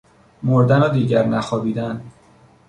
مردن و دیگر نخوابیدن!